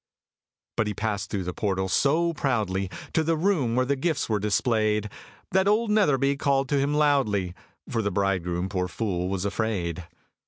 But he passed through the portal so proudly To the room where the gifts were displayed, That old Netherby called to him loudly (For the bridegroom, poor fool, was afraid).